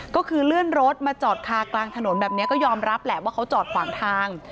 ก็คือเลื่อนรถมาจอดคากลางถนนแบบนี้ก็ยอมรับแหละว่าเขาจอดขวางทาง